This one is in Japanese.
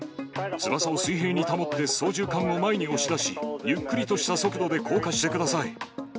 翼を水平に保って、操縦かんを前に押し出し、ゆっくりとした速度で降下してください。